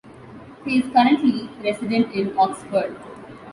He is currently resident in Oxford.